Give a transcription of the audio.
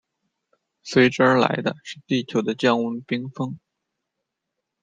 随之而来的是地球的降温冰封。